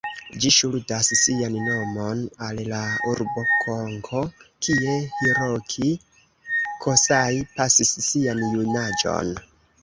Ĝi ŝuldas sian nomon al la urbo Konko, kie Hiroki Kosai pasis sian junaĝon.